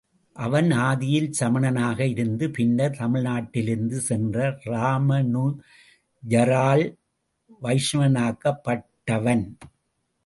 அவன் ஆதியில் சமணனாக இருந்து பின்னர் தமிழ்நாட்டிலிருந்து சென்ற ராமானுஜரால் வைஷ்ணவனாக்கப்பட்டவன்.